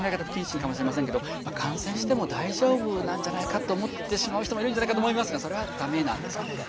不謹慎かもしれませんけど感染しても大丈夫なんじゃないかと思ってしまう人もいるんじゃないかと思いますがそれは駄目なんですか？